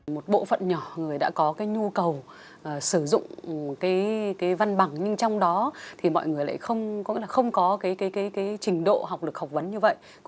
một bộ phận nhỏ người đã có nhu cầu sử dụng văn bằng nhưng trong đó mọi người lại không có trình độ học lực học vấn như vậy